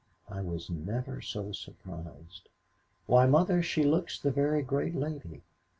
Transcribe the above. "I was never so surprised. Why, Mother, she looks the very great lady.